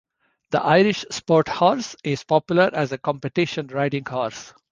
The Irish Sport Horse is popular as a competition riding horse.